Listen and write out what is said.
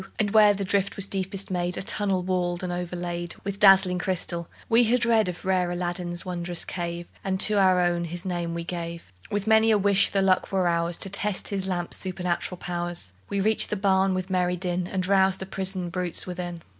And, where the drift was deepest made A tunnel walled and overlaid With dazzling crystal: we had read Of rare Aladdin's wondrous cave, And to our own his name we gave, With many a wish the luck were ours To test his lamp's supernal powers. We reached the barn with merry din, And roused the prisoned brutes within.